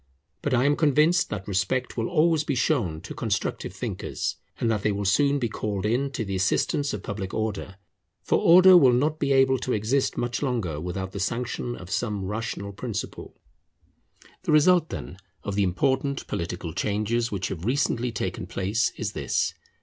But I am convinced that respect will always be shown to constructive thinkers, and that they will soon be called in to the assistance of public order. For order will not be able to exist much longer without the sanction of some rational principle. [The need of a spiritual power is common to the whole Republic of Western Europe] The result, then, of the important political changes which have recently taken place is this.